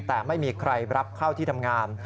แต่ไม่มีใครรับเข้าที่ทำงาน